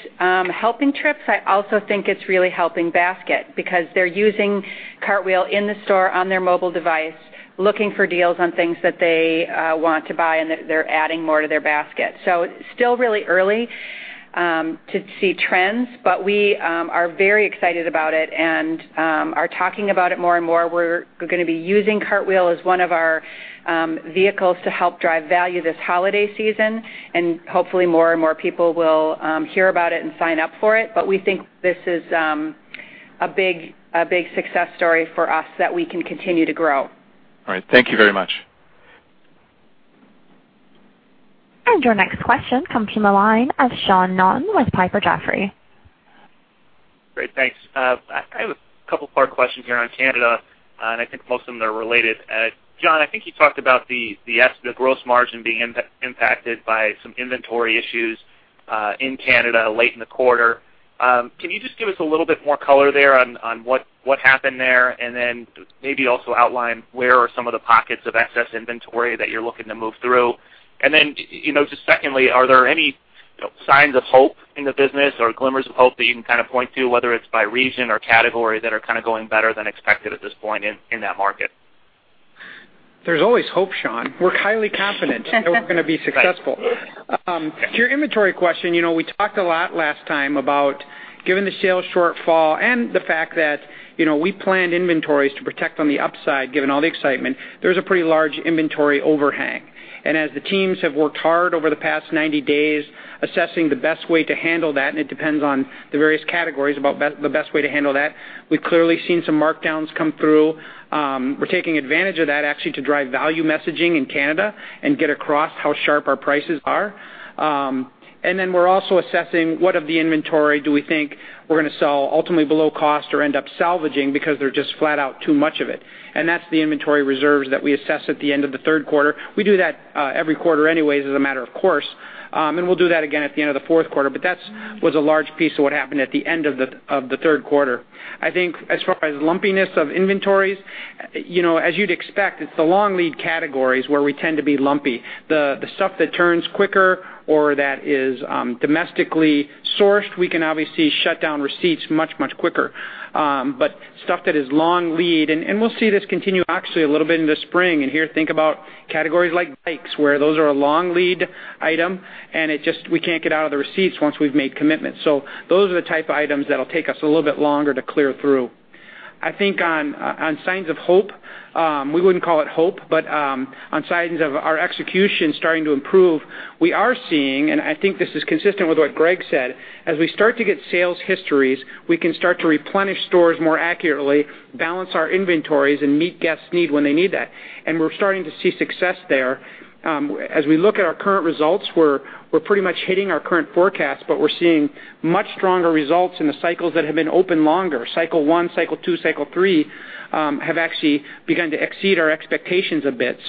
[SPEAKER 2] helping trips. I also think it's really helping basket because they're using Cartwheel in the store on their mobile device, looking for deals on things that they want to buy, they're adding more to their basket. It's still really early to see trends, we are very excited about it and are talking about it more and more. We're going to be using Cartwheel as one of our vehicles to help drive value this holiday season, hopefully more and more people will hear about it and sign up for it. We think this is a big success story for us that we can continue to grow.
[SPEAKER 6] All right. Thank you very much.
[SPEAKER 4] Your next question comes from the line of Sean Naughton with Piper Jaffray.
[SPEAKER 7] Great, thanks. I have a couple of questions here on Canada, and I think most of them are related. John, I think you talked about the gross margin being impacted by some inventory issues in Canada late in the quarter. Can you just give us a little bit more color there on what happened there? Maybe also outline where are some of the pockets of excess inventory that you're looking to move through. Just secondly, are there any signs of hope in the business or glimmers of hope that you can point to, whether it's by region or category, that are going better than expected at this point in that market?
[SPEAKER 1] There's always hope, Sean. We're highly confident that we're going to be successful.
[SPEAKER 7] Right.
[SPEAKER 3] To your inventory question, we talked a lot last time about, given the sales shortfall and the fact that we planned inventories to protect on the upside given all the excitement, there's a pretty large inventory overhang. As the teams have worked hard over the past 90 days assessing the best way to handle that, and it depends on the various categories about the best way to handle that. We've clearly seen some markdowns come through. We're taking advantage of that actually to drive value messaging in Canada and get across how sharp our prices are. We're also assessing what of the inventory do we think we're going to sell ultimately below cost or end up salvaging because there's just flat out too much of it. That's the inventory reserves that we assess at the end of the third quarter.
[SPEAKER 1] We do that every quarter anyway as a matter of course, and we'll do that again at the end of the fourth quarter. That was a large piece of what happened at the end of the third quarter. I think as far as lumpiness of inventories, as you'd expect, it's the long lead categories where we tend to be lumpy. The stuff that turns quicker or that is domestically sourced, we can obviously shut down receipts much quicker. Stuff that is long lead, and we'll see this continue actually a little bit in the spring, and here think about categories like bikes, where those are a long lead item, and we can't get out of the receipts once we've made commitments. Those are the type of items that'll take us a little bit longer to clear through.
[SPEAKER 3] I think on signs of hope, we wouldn't call it hope, but on signs of our execution starting to improve, we are seeing, and I think this is consistent with what Gregg said, as we start to get sales histories, we can start to replenish stores more accurately, balance our inventories, and meet guests' need when they need that. We're starting to see success there. As we look at our current results, we're pretty much hitting our current forecasts, but we're seeing much stronger results in the cycles that have been open longer. Cycle 1, Cycle 2, Cycle 3 have actually begun to exceed our expectations a bit.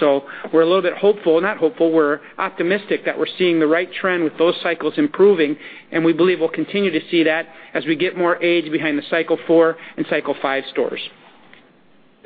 [SPEAKER 3] We're a little bit hopeful, not hopeful, we're optimistic that we're seeing the right trend with those cycles improving, and we believe we'll continue to see that as we get more age behind the Cycle 4 and Cycle 5 stores.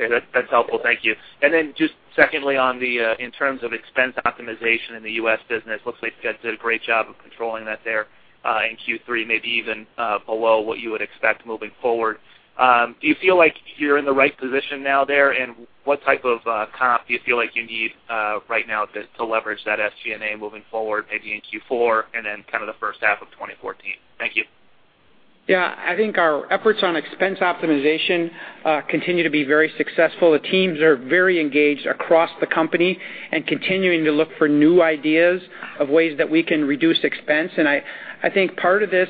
[SPEAKER 7] Okay, that's helpful. Thank you. Then just secondly, in terms of expense optimization in the U.S. business, looks like you guys did a great job of controlling that there in Q3, maybe even below what you would expect moving forward. Do you feel like you're in the right position now there? And what type of comp do you feel like you need right now to leverage that SG&A moving forward, maybe in Q4 and then the first half of 2014? Thank you.
[SPEAKER 3] Yeah, I think our efforts on expense optimization continue to be very successful. The teams are very engaged across the company and continuing to look for new ideas of ways that we can reduce expense. I think part of this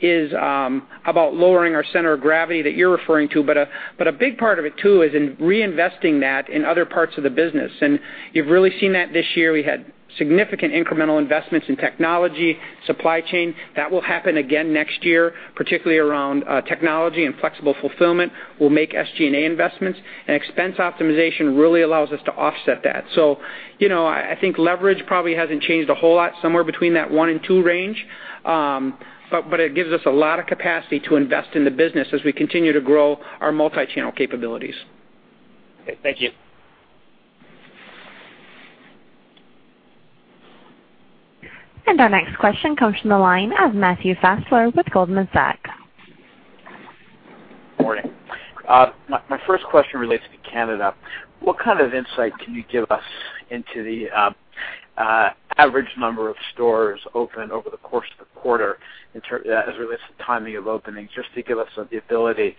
[SPEAKER 3] is about lowering our center of gravity that you're referring to, but a big part of it too is in reinvesting that in other parts of the business. You've really seen that this year. We had significant incremental investments in technology, supply chain. That will happen again next year, particularly around technology and flexible fulfillment. We'll make SG&A investments, and expense optimization really allows us to offset that. I think leverage probably hasn't changed a whole lot, somewhere between that one and two range. It gives us a lot of capacity to invest in the business as we continue to grow our multi-channel capabilities.
[SPEAKER 7] Okay, thank you.
[SPEAKER 4] Our next question comes from the line of Matthew Fassler with Goldman Sachs.
[SPEAKER 8] Morning. My first question relates to Canada. What kind of insight can you give us into the average number of stores opened over the course of the quarter as it relates to timing of openings, just to give us the ability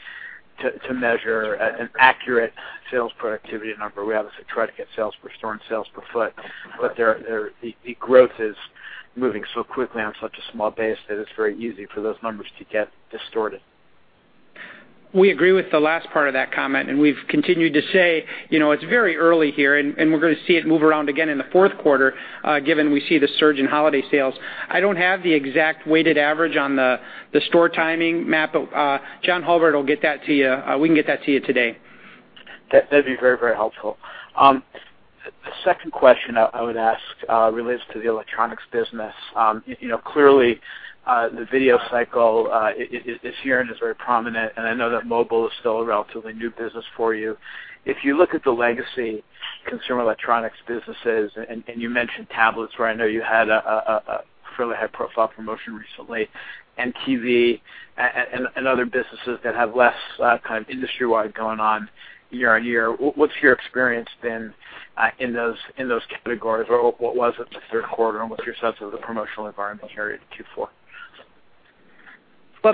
[SPEAKER 8] to measure an accurate sales productivity number? We obviously try to get sales per store and sales per foot, but the growth is moving so quickly on such a small base that it's very easy for those numbers to get distorted.
[SPEAKER 3] We agree with the last part of that comment. We've continued to say it's very early here. We're going to see it move around again in the fourth quarter, given we see the surge in holiday sales. I don't have the exact weighted average on the store timing map. John Hulbert will get that to you. We can get that to you today.
[SPEAKER 8] That'd be very helpful. The second question I would ask relates to the electronics business. Clearly, the video cycle this year is very prominent, and I know that mobile is still a relatively new business for you. If you look at the legacy consumer electronics businesses, and you mentioned tablets, where I know you had a fairly high-profile promotion recently, and TV and other businesses that have less industry-wide going on year-over-year, what's your experience been in those categories, or what was it this third quarter, and what's your sense of the promotional environment here into Q4?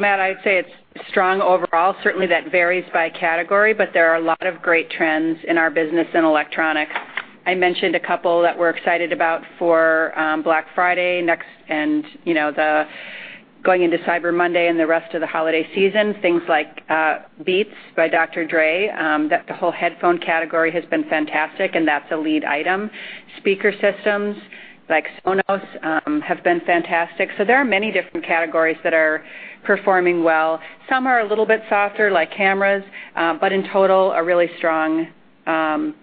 [SPEAKER 2] Matt, I'd say it's strong overall. Certainly, that varies by category, but there are a lot of great trends in our business in electronics. I mentioned a couple that we're excited about for Black Friday next and going into Cyber Monday and the rest of the holiday season, things like Beats by Dr. Dre. The whole headphone category has been fantastic, and that's a lead item. Speaker systems like Sonos have been fantastic. There are many different categories that are performing well. Some are a little bit softer, like cameras. But in total, a really strong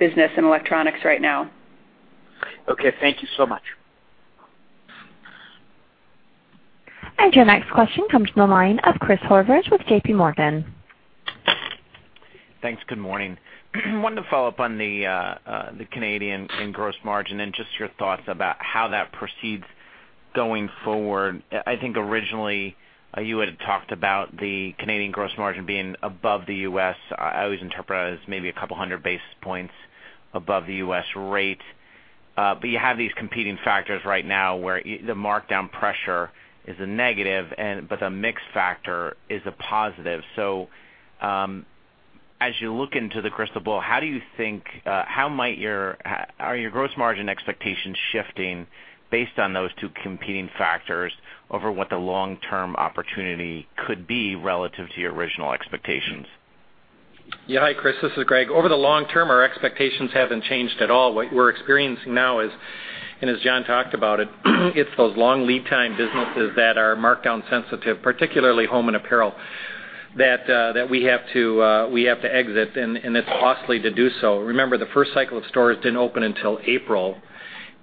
[SPEAKER 2] business in electronics right now.
[SPEAKER 8] Thank you so much.
[SPEAKER 4] Your next question comes from the line of Christopher Horvers with J.P. Morgan.
[SPEAKER 9] Thanks. Good morning. Wanted to follow up on the Canadian and gross margin and just your thoughts about how that proceeds going forward. I think originally you had talked about the Canadian gross margin being above the U.S. I always interpret it as maybe 200 basis points above the U.S. rate. You have these competing factors right now where the markdown pressure is a negative, but the mix factor is a positive. As you look into the crystal ball, are your gross margin expectations shifting based on those two competing factors over what the long-term opportunity could be relative to your original expectations?
[SPEAKER 1] Yeah. Hi, Chris. This is Gregg. Over the long term, our expectations haven't changed at all. What we're experiencing now is, as John talked about it's those long lead time businesses that are markdown sensitive, particularly home and apparel, that we have to exit, and it's costly to do so. Remember, the first cycle of stores didn't open until April,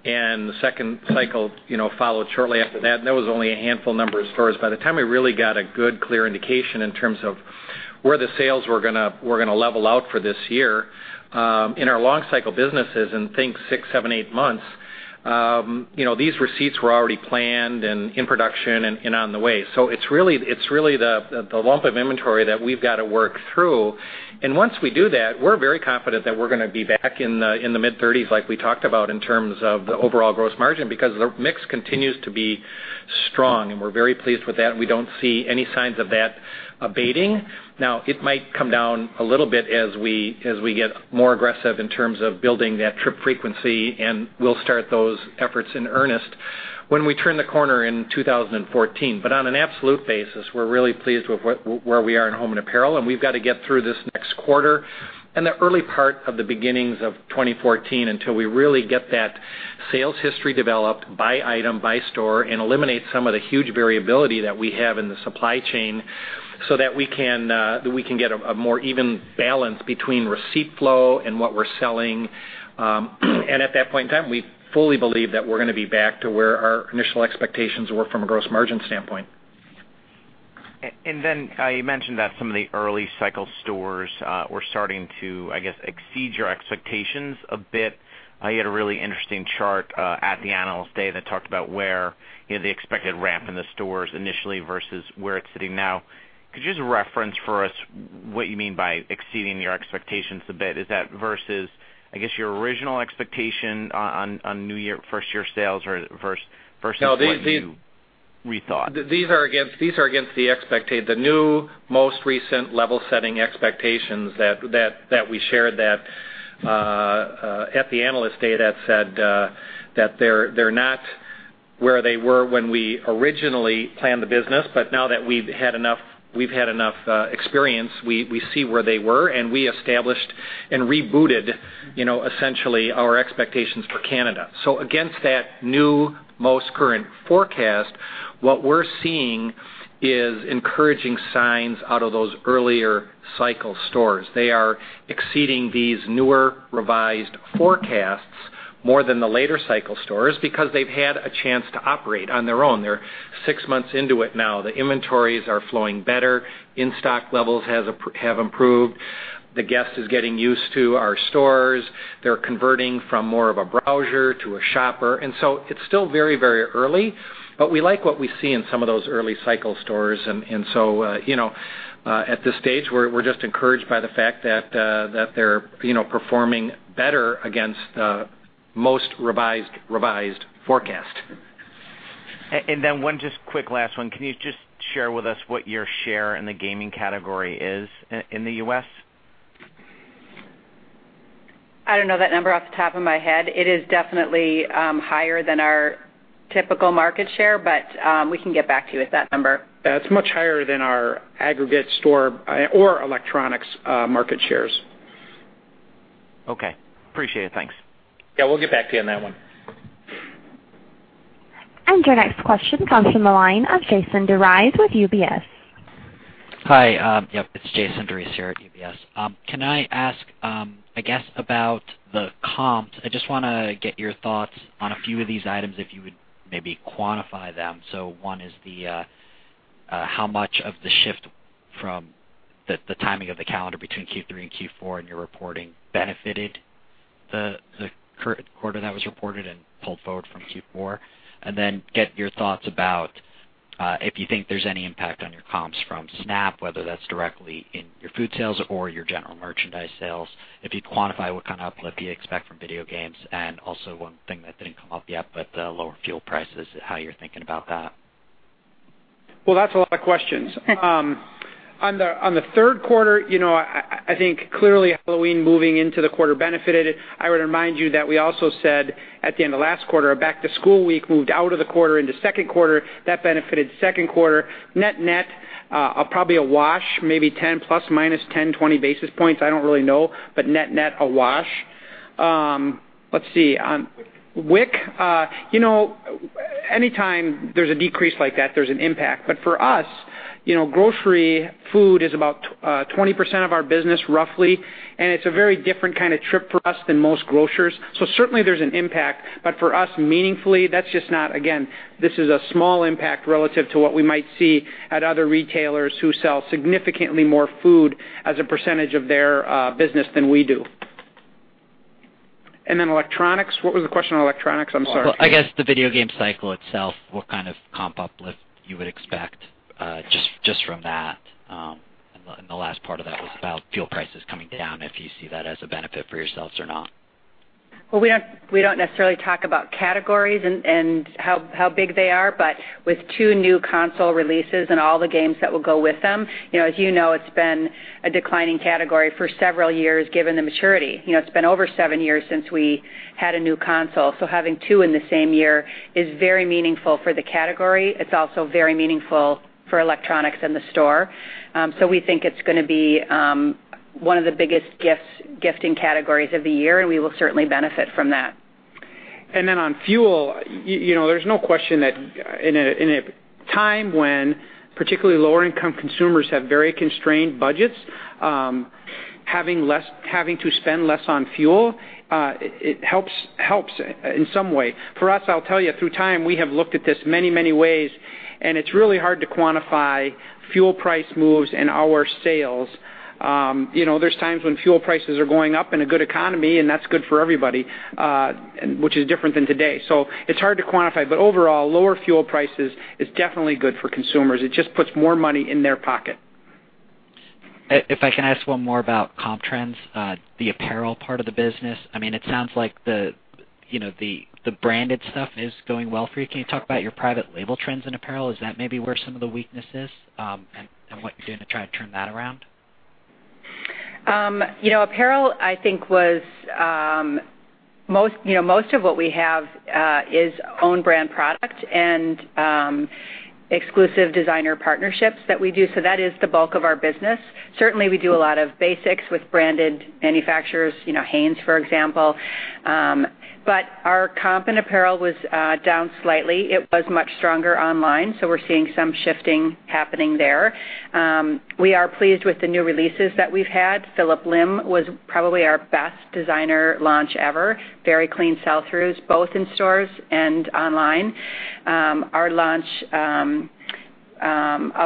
[SPEAKER 1] and the second cycle followed shortly after that, and that was only a handful number of stores. By the time we really got a good, clear indication in terms of where the sales were going to level out for this year, in our long cycle businesses, and think six, seven, eight months, these receipts were already planned and in production and on the way. It's really the lump of inventory that we've got to work through. Once we do that, we're very confident that we're going to be back in the mid-30s like we talked about in terms of the overall gross margin, because the mix continues to be strong. We're very pleased with that, and we don't see any signs of that abating. It might come down a little bit as we get more aggressive in terms of building that trip frequency, and we'll start those efforts in earnest when we turn the corner in 2014. On an absolute basis, we're really pleased with where we are in home and apparel, and we've got to get through this next quarter and the early part of the beginnings of 2014 until we really get that sales history developed by item, by store, and eliminate some of the huge variability that we have in the supply chain so that we can get a more even balance between receipt flow and what we're selling. At that point in time, we fully believe that we're going to be back to where our initial expectations were from a gross margin standpoint.
[SPEAKER 9] You mentioned that some of the early cycle stores were starting to, I guess, exceed your expectations a bit. You had a really interesting chart at the Analyst Day that talked about where the expected ramp in the stores initially versus where it's sitting now. Could you just reference for us what you mean by exceeding your expectations a bit? Is that versus, I guess, your original expectation on first-year sales versus-
[SPEAKER 1] No what you rethought. These are against the new, most recent level-setting expectations that we shared at the Analyst Day that said that they're not where they were when we originally planned the business. Now that we've had enough experience, we see where they were, and we established and rebooted essentially our expectations for Canada. Against that new, most current forecast, what we're seeing is encouraging signs out of those earlier cycle stores. They are exceeding these newer revised forecasts more than the later cycle stores because they've had a chance to operate on their own. They're six months into it now. The inventories are flowing better. In-stock levels have improved. The guest is getting used to our stores. They're converting from more of a browser to a shopper. It's still very early, but we like what we see in some of those early cycle stores. At this stage, we're just encouraged by the fact that they're performing better against most revised forecasts.
[SPEAKER 9] One just quick last one. Can you just share with us what your share in the gaming category is in the U.S.?
[SPEAKER 2] I don't know that number off the top of my head. It is definitely higher than our typical market share, but we can get back to you with that number.
[SPEAKER 1] It's much higher than our aggregate store or electronics market shares.
[SPEAKER 9] Okay. Appreciate it, thanks.
[SPEAKER 1] Yeah, we'll get back to you on that one.
[SPEAKER 4] Your next question comes from the line of Jason DeRise with UBS.
[SPEAKER 10] Hi, yeah. It's Jason DeRise here at UBS. Can I ask, I guess about the comps? I just want to get your thoughts on a few of these items, if you would maybe quantify them. One is how much of the shift from the timing of the calendar between Q3 and Q4 in your reporting benefited the quarter that was reported and pulled forward from Q4? Then get your thoughts about if you think there's any impact on your comps from SNAP, whether that's directly in your food sales or your general merchandise sales. If you'd quantify what kind of uplift you expect from video games, and also one thing that didn't come up yet, but the lower fuel prices, how you're thinking about that.
[SPEAKER 1] That's a lot of questions. On the third quarter, I think clearly Halloween moving into the quarter benefited it. I would remind you that we also said at the end of last quarter, our back-to-school week moved out of the quarter into second quarter. That benefited second quarter. Net, probably a wash, maybe 10 plus or minus 10, 20 basis points. I don't really know, but net a wash. Let's see. WIC, anytime there's a decrease like that, there's an impact. For us, grocery food is about 20% of our business, roughly, and it's a very different kind of trip for us than most grocers. Certainly there's an impact. For us, meaningfully, that's just not. Again, this is a small impact relative to what we might see at other retailers who sell significantly more food as a percentage of their business than we do. Electronics, what was the question on electronics? I'm sorry.
[SPEAKER 10] I guess the video game cycle itself, what kind of comp uplift you would expect just from that. The last part of that was about fuel prices coming down, if you see that as a benefit for yourselves or not.
[SPEAKER 2] We don't necessarily talk about categories and how big they are, with two new console releases and all the games that will go with them, as you know, it's been a declining category for several years, given the maturity. It's been over seven years since we had a new console. Having two in the same year is very meaningful for the category. It's also very meaningful for electronics in the store. We think it's going to be one of the biggest gifting categories of the year, and we will certainly benefit from that.
[SPEAKER 1] On fuel, there's no question that in a time when particularly lower-income consumers have very constrained budgets, having to spend less on fuel, it helps in some way. For us, I'll tell you, through time, we have looked at this many ways, and it's really hard to quantify fuel price moves and our sales. There's times when fuel prices are going up in a good economy, and that's good for everybody, which is different than today. It's hard to quantify. Overall, lower fuel prices is definitely good for consumers. It just puts more money in their pocket.
[SPEAKER 10] If I can ask one more about comp trends, the apparel part of the business. It sounds like the branded stuff is going well for you. Can you talk about your private label trends in apparel? Is that maybe where some of the weakness is, and what you're doing to try to turn that around?
[SPEAKER 2] Apparel, I think, most of what we have is own brand product and exclusive designer partnerships that we do. That is the bulk of our business. Certainly, we do a lot of basics with branded manufacturers, Hanes, for example. Our comp and apparel was down slightly. It was much stronger online, so we're seeing some shifting happening there. We are pleased with the new releases that we've had. Phillip Lim was probably our best designer launch ever. Very clean sell-throughs, both in stores and online. Our launch of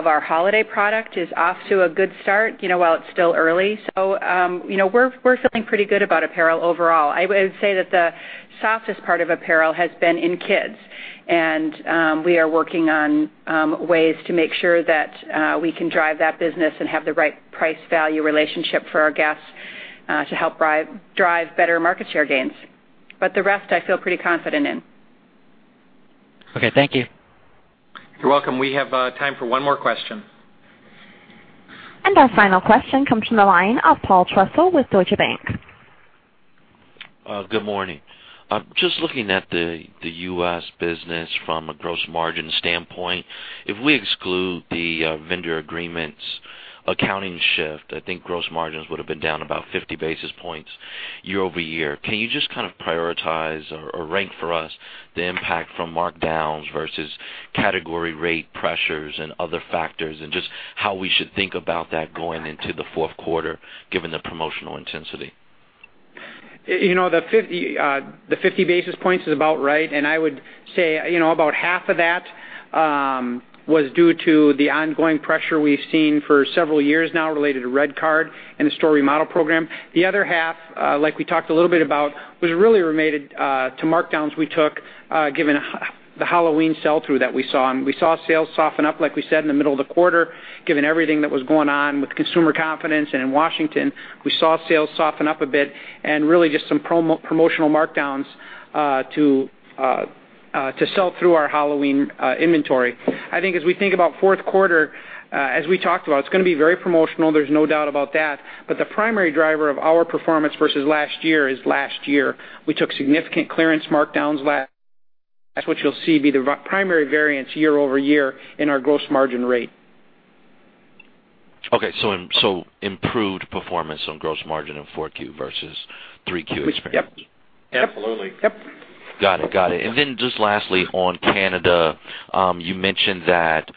[SPEAKER 2] our holiday product is off to a good start while it's still early. We're feeling pretty good about apparel overall. I would say that the softest part of apparel has been in kids. We are working on ways to make sure that we can drive that business and have the right price-value relationship for our guests to help drive better market share gains. The rest I feel pretty confident in.
[SPEAKER 10] Okay, thank you.
[SPEAKER 3] You're welcome. We have time for one more question.
[SPEAKER 4] Our final question comes from the line of Paul Trussell with Deutsche Bank.
[SPEAKER 11] Good morning. Just looking at the U.S. business from a gross margin standpoint. If we exclude the vendor agreements accounting shift, I think gross margins would've been down about 50 basis points year-over-year. Can you just kind of prioritize or rank for us the impact from markdowns versus category rate pressures and other factors, and just how we should think about that going into the fourth quarter, given the promotional intensity?
[SPEAKER 3] The 50 basis points is about right, and I would say about half of that was due to the ongoing pressure we've seen for several years now related to REDcard and the store remodel program. The other half, like we talked a little bit about, was really related to markdowns we took, given the Halloween sell-through that we saw, and we saw sales soften up, like we said, in the middle of the quarter, given everything that was going on with consumer confidence and in Washington. We saw sales soften up a bit and really just some promotional markdowns to sell through our Halloween inventory. I think as we think about fourth quarter, as we talked about, it's going to be very promotional. There's no doubt about that. The primary driver of our performance versus last year is last year. We took significant clearance markdowns last. That's what you'll see be the primary variance year-over-year in our gross margin rate.
[SPEAKER 11] Improved performance on gross margin in four Q versus three Q experience.
[SPEAKER 3] Yep.
[SPEAKER 1] Absolutely.
[SPEAKER 3] Yep.
[SPEAKER 11] Got it. Just lastly on Canada, you mentioned that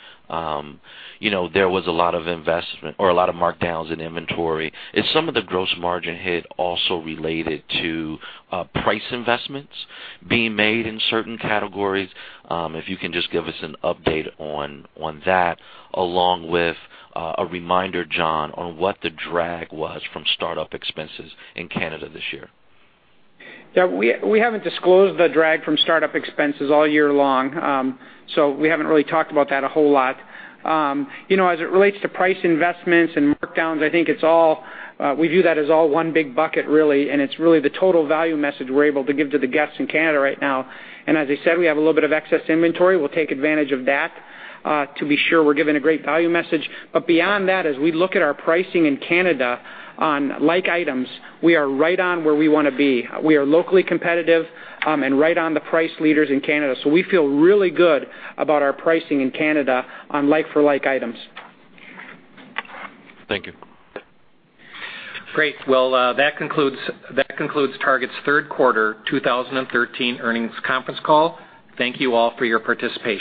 [SPEAKER 11] there was a lot of investment or a lot of markdowns in inventory. Is some of the gross margin hit also related to price investments being made in certain categories? If you can just give us an update on that, along with a reminder, John, on what the drag was from startup expenses in Canada this year.
[SPEAKER 3] Yeah, we haven't disclosed the drag from startup expenses all year long. We haven't really talked about that a whole lot. As it relates to price investments and markdowns, I think we view that as all one big bucket, really, and it's really the total value message we're able to give to the guests in Canada right now. As I said, we have a little bit of excess inventory. We'll take advantage of that to be sure we're giving a great value message. Beyond that, as we look at our pricing in Canada on like items, we are right on where we want to be. We are locally competitive and right on the price leaders in Canada. We feel really good about our pricing in Canada on like for like items.
[SPEAKER 11] Thank you.
[SPEAKER 3] Great. Well, that concludes Target's third quarter 2013 earnings conference call. Thank you all for your participation.